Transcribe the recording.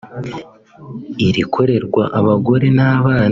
irikorerwa abagore n’abana